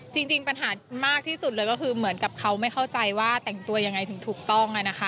จริงปัญหามากที่สุดเลยก็คือเหมือนกับเขาไม่เข้าใจว่าแต่งตัวยังไงถึงถูกต้องนะคะ